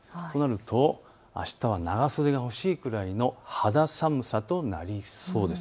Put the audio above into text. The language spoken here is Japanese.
あしたは長袖が欲しいくらいの肌寒さとなりそうです。